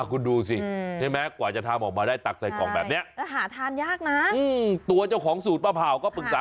คุณดูสิได้ไหมกว่าจะทำออกมาได้ตักใส่กล่องแบบนี้หาทานยากนะ